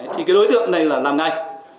thì cái đối tượng này là làm ngay